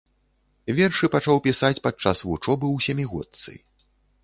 Вершы пачаў пісаць падчас вучобы ў сямігодцы.